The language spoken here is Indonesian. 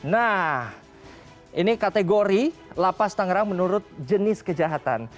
nah ini kategori lapas tangerang menurut jenis kejahatan